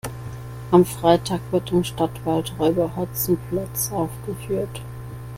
Am Freitag wird im Stadtwald Räuber Hotzenplotz aufgeführt.